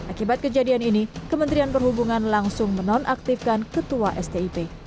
akibat kejadian ini kementerian perhubungan langsung menonaktifkan ketua stip